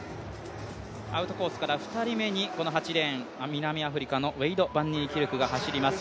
アウトコースから２人目に、この８レーン、南アフリカのウェイド・バンニーキルクが走ります。